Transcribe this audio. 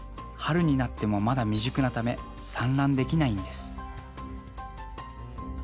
春になってもまだ未熟なため産卵できないんです。